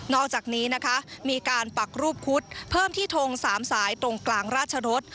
อกจากนี้นะคะมีการปักรูปคุดเพิ่มที่ทง๓สายตรงกลางราชรส